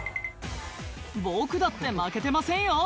「僕だって負けてませんよ」